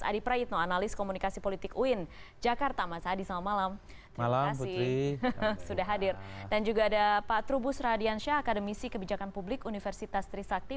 dan juga ada pak trubus radiansyah akademisi kebijakan publik universitas trisakti